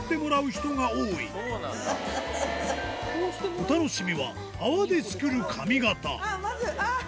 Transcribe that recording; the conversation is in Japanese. お楽しみは泡で作る髪形あぁ